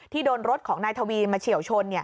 โดนรถของนายทวีมาเฉียวชน